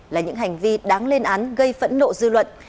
là những hành vi đáng lên án gây phẫn nộ dư luận